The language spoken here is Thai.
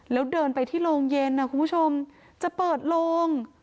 แล้วเดินไปที่โรงเย็นนะคุณผู้ชมจะเปิดโลง